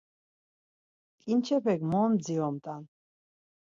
Ǩinçepek mot mdziromt̆an.